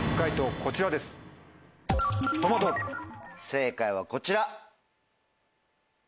正解はこちら。